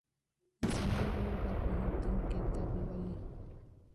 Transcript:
زما ورور په پوهنتون کې طب لولي.